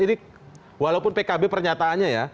ini walaupun pkb pernyataannya ya